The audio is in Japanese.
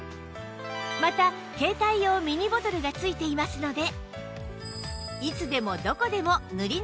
また携帯用ミニボトルがついていますので